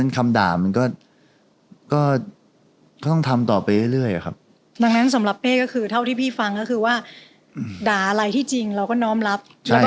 ก็เลยแต่งเวิร์ดสองก่อนครับ